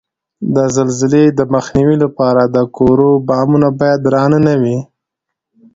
د زلزلې د مخنیوي لپاره د کورو بامونه باید درانه نه وي؟